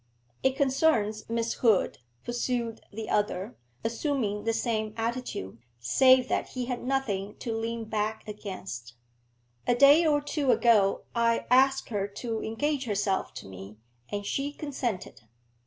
'It concerns Miss Hood,' pursued the other, assuming the same attitude, save that he had nothing to lean hack against. 'A day or two ago I asked her to engage herself to me, and she consented.'